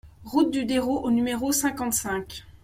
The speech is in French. Route du Dérot au numéro cinquante-cinq